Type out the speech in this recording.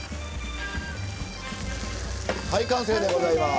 はい完成でございます。